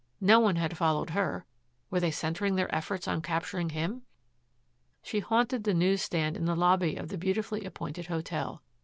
No one had followed her. Were they centering their efforts on capturing him? She haunted the news stand in the lobby of the beautifully appointed hotel.